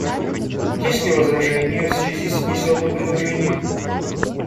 Есть ли возражения в связи с внесенным предложением?